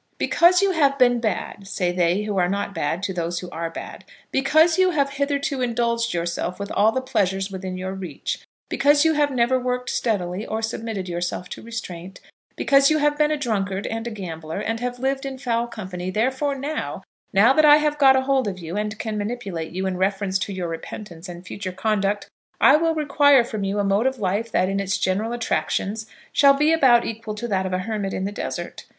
"Because you have been bad," say they who are not bad to those who are bad, "because you have hitherto indulged yourself with all pleasures within your reach, because you have never worked steadily or submitted yourself to restraint, because you have been a drunkard, and a gambler, and have lived in foul company, therefore now, now that I have got a hold of you and can manipulate you in reference to your repentance and future conduct, I will require from you a mode of life that, in its general attractions, shall be about equal to that of a hermit in the desert.